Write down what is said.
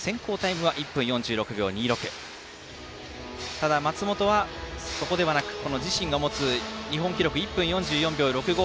ただ、松元はそこではなく自身が持つ日本記録１分４４秒６５。